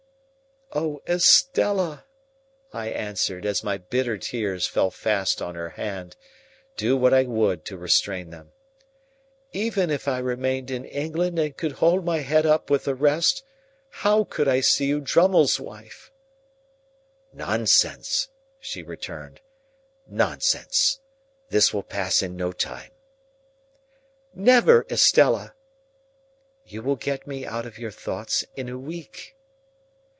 "O Estella!" I answered, as my bitter tears fell fast on her hand, do what I would to restrain them; "even if I remained in England and could hold my head up with the rest, how could I see you Drummle's wife?" "Nonsense," she returned,—"nonsense. This will pass in no time." "Never, Estella!" "You will get me out of your thoughts in a week."